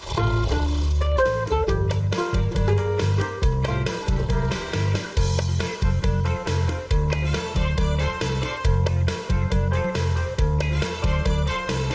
สวัสดีครับ